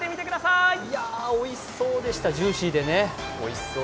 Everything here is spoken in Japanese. いや、おいしそうでした、ジューシーでね、おいしそう。